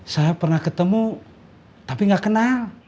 saya pernah ketemu tapi gak kenal